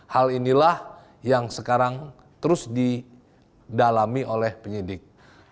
hal inilah yang sekarang terus didalami oleh penyidik